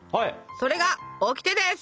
それがオキテです！